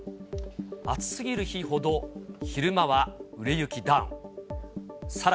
暑すぎる日ほど昼間は売れ行きダウン。